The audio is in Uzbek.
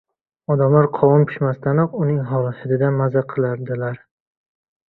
Odamlar qovun pishmasdanoq uning hididan mazza qilardilar.